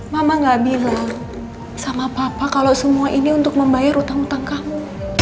mama gak bilang sama papa kalau semua ini untuk membayar utang utang kamu